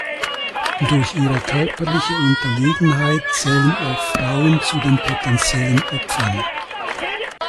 Durch ihre körperliche Unterlegenheit zählen auch Frauen zu den potenziellen Opfern.